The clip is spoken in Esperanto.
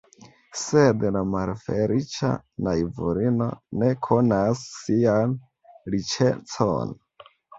Sed la malfeliĉa naivulino ne konas sian riĉecon.